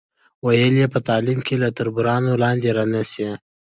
ویل یې په تعلیم کې له تربورانو لاندې را نشئ.